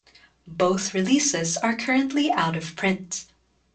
Both releases are currently out of print.